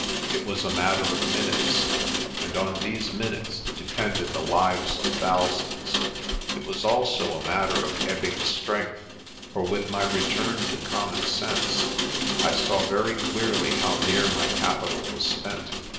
It was a matter of minutes, and on these minutes depended the lives of thousands. It was also a matter of ebbing strength, for with my return to common sense I saw very clearly how near my capital was spent.